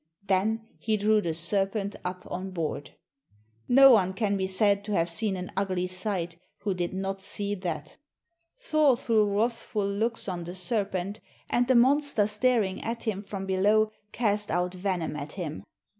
Then he drew the serpent up on board. No one can be said to have seen an ugly sight who did not see that. Thor threw wrathful looks on the serpent, and the monster staring at him from below cast out venom at him.